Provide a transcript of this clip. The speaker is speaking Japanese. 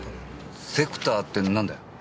セクターって何だよ？